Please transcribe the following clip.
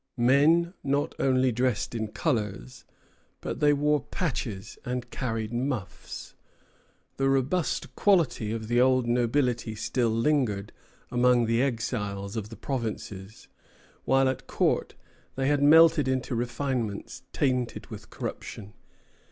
Men not only dressed in colors, but they wore patches and carried muffs. The robust qualities of the old nobility still lingered among the exiles of the provinces, while at Court they had melted into refinements tainted with corruption.